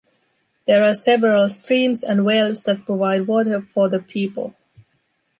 There are several streams and wells that provide water for the people.